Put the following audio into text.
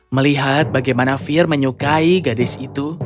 melihat bagaimana fir menyukai gadis itu